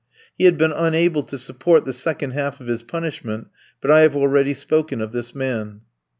He had been unable to support the second half of his punishment; but I have already spoken of this man.